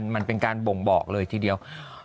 มันเป็นการบ่งบอกเลยทีเดียว